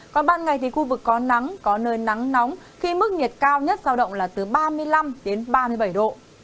còn ban ngày thì khu vực có nắng có nơi nắng nóng khi mức nhiệt cao nhất giao động là từ ba mươi năm đến ba mươi bảy độ